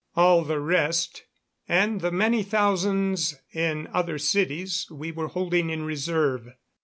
All the rest, and the many thousands in the other cities, we were holding in reserve.